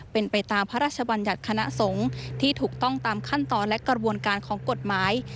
เป็นไปตามพระราชบัญญัติคณะสงฆ์ที่ถูกต้องตามขั้นตอนและกระบวนการของกฎหมาย